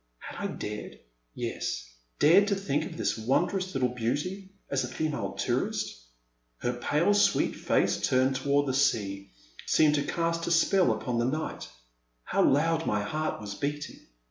Had I dared — yes, dared to think of this won drous little beauty, as a female tourist ? Her pale sweet face, turned toward the sea, seemed to cast a spell upon the night. How loud my heart was beating.